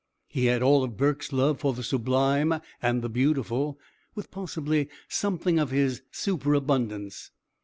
He had all of Burke's love for the sublime and the beautiful with, possibly, something of his superabundance.